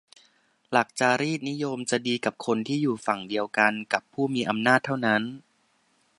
หลักจารีตนิยมจะดีกับคนที่อยู่ฝั่งเดียวกันกับผู้มีอำนาจเท่านั้น